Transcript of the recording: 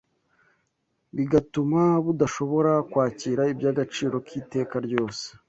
bigatuma budashobora kwakira iby’agaciro k’iteka ryose.